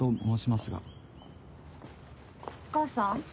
お母さん？